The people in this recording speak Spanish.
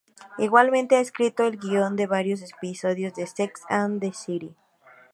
Igualmente ha escrito el guion de varios episodios de "Sex and the City".